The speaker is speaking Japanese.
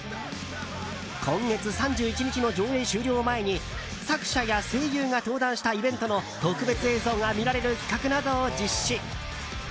今月３１日の上映終了を前に作者や声優が登壇したイベントの特別映像が見られる企画などを実施。